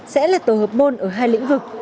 sẽ là tổ hợp môn ở hai lĩnh vực